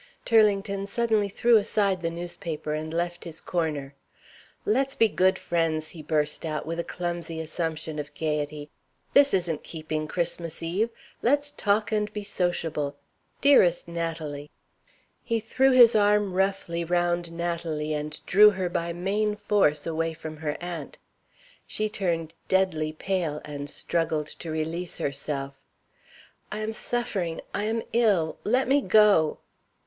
Turlington suddenly threw aside the newspaper and left his corner. "Let's be good friends!" he burst out, with a clumsy assumption of gayety. "This isn't keeping Christmas eve. Let's talk and be sociable. Dearest Natalie!" He threw his arm roughly round Natalie, and drew her by main force away from her aunt. She turned deadly pale, and struggled to release herself. "I am suffering I am ill let me go!"